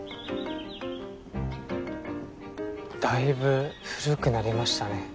だいぶ古くなりましたね。